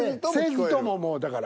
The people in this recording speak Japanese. せずとももうだから。